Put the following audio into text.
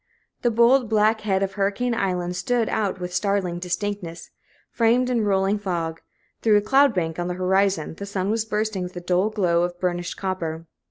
The bold, black head of Hurricane Island stood out with startling distinctness, framed in rolling fog; through a cloud bank on the horizon, the sun was bursting with the dull glow of burnished copper.